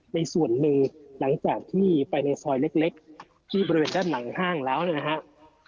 ในส่วนหนึ่งหลังจากที่ไปในซอยเล็กที่บริเวณด้านหลังห้างแล้วเนี่ยนะฮะ